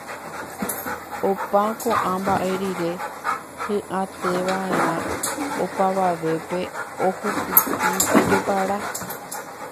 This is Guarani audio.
Opa ko'ã mba'e rire, hi'ãiteva'erã opavavépe ohupyty pe jopara